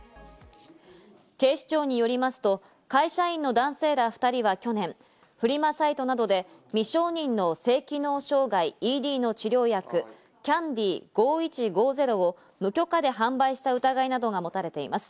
警視庁によりますと会社員の男性ら２人は去年、フリマサイトなどで未承認の性機能障害・ＥＤ治療薬、キャンディ５１５０を無許可で販売した疑いなどが持たれています。